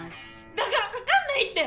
だからかかんないって！